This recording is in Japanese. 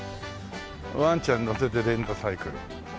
ワンちゃんのせてレンタサイクル。